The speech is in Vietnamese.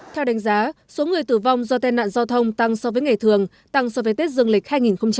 theo đánh giá số người tử vong do tai nạn giao thông tăng so với ngày thường tăng so với tết dương lịch hai nghìn một mươi chín